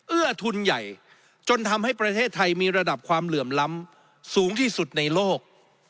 เอื้อทุนใหญ่จนทำให้ประเทศไทยมีระดับความเหลื่อมล้ำสูงที่สุดในโลก